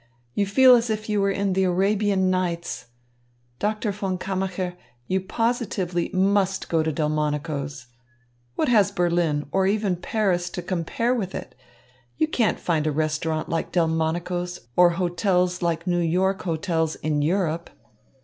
You feel as if you were in the Arabian Nights. Doctor von Kammacher, you positively must go to Delmonico's. What has Berlin, or even Paris, to compare with it? You can't find a restaurant like Delmonico's or hotels like New York hotels in Europe."